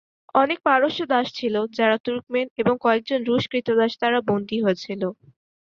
অনেক পারস্য দাস ছিল যারা তুর্কমেন এবং কয়েকজন রুশ ক্রীতদাস দ্বারা বন্দী হয়েছিল।